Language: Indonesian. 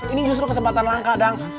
ini justru kesempatan langka dan